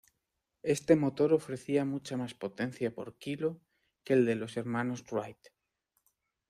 Este motor ofrecía mucha más potencia por kilo que el de los hermanos Wright.